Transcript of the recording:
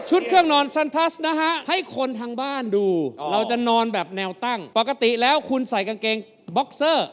เครื่องนอนซันทัสนะฮะให้คนทางบ้านดูเราจะนอนแบบแนวตั้งปกติแล้วคุณใส่กางเกงบ็อกเซอร์